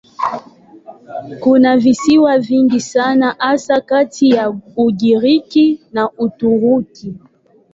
Kuna visiwa vingi sana hasa kati ya Ugiriki na Uturuki.